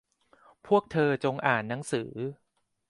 พวกเธอจงอ่านหนังสือ